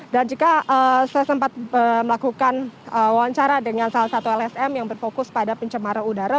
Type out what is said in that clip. dan jika saya sempat melakukan wawancara dengan salah satu lsm yang berfokus pada pencemaran udara